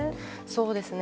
そうですね。